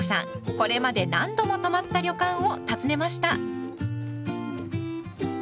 これまで何度も泊まった旅館を訪ねました。